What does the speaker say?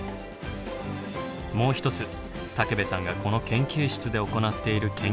もう一つ武部さんがこの研究室で行っている研究があります。